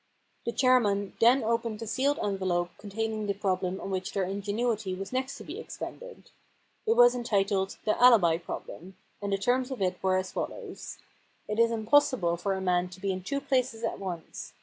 The chairman then opened the sealed envelope containing the problem on which their ingenuity was next to be expended. It was entitled * The Alibi Problem,' and the terms of it were as follows :—* It is impossible for a man to be in two 162 The Impersonation Problem places at once.